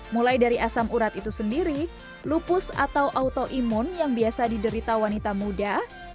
mulai dari asam urat itu sendiri lupus atau autoimun yang biasa diderita wanita muda